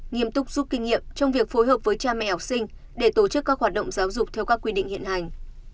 nghiêm túc giúp kinh nghiệm trong việc phối hợp với cha mẹ học sinh để tổ chức các hoạt động giáo dục theo các quy định hiện hành